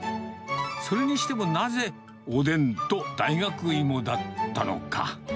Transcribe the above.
それにしてもなぜ、おでんと大学いもだったのか。